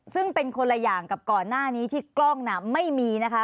ซึ่งเป็นคนละอย่างกับก่อนหน้านี้ที่กล้องน่ะไม่มีนะคะ